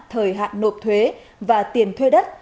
thời hạn nộp thuế và tiền thuê đất